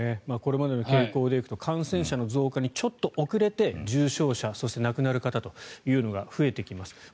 これまでの傾向でいくと感染者の増加にちょっと遅れて重症者そして亡くなる方というのが増えてきます。